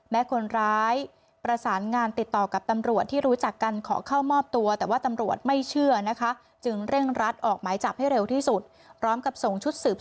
แม้คนร้ายประสานงานติดต่อกับตำรวจที่รู้จักกัน